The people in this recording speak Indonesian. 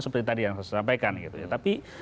seperti tadi yang saya sampaikan tapi